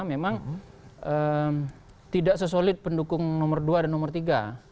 memang tidak sesolid pendukung nomor dua dan nomor tiga